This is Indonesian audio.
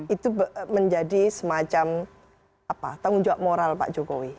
itu menjadi semacam tanggung jawab moral pak jokowi